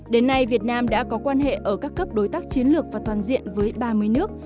đến nay việt nam đã có quan hệ ở các cấp đối tác chiến lược và toàn diện với ba mươi nước